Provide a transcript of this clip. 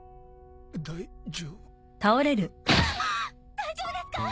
大丈夫ですか！？